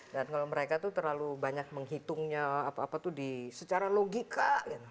dan kalau mereka tuh terlalu banyak menghitungnya apa apa tuh secara logika